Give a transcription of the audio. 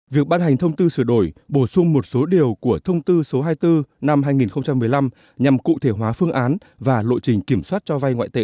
việc ban hành thông tư sửa đổi bổ sung một số điều của thông tư số hai mươi bốn năm hai nghìn một mươi năm nhằm cụ thể hóa phương án và lộ trình kiểm soát cho vay ngoại tệ